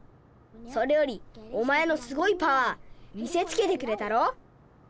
それよりおまえのすごいパワー見せつけてくれたろ。